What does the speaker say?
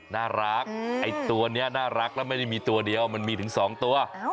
น่ารักไอ้ตัวนี้น่ารักแล้วไม่ได้มีตัวเดียวมันมีถึง๒ตัว